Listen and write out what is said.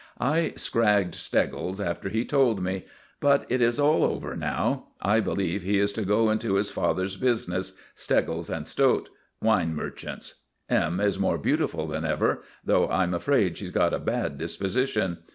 I scragged Steggles after he told me. But it is all over now. I believe he is to go into his father's business Steggles & Stote, Wine Merchants. M. is more beautiful than ever, though I'm afraid she's got a bad disposition.